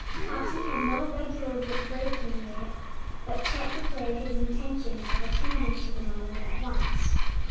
Topsy had had no regular breaking yet, but Chet declared his intention of attending to the matter at once.